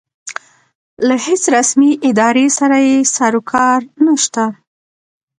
له هېڅ رسمې ادارې سره یې سروکار نشته.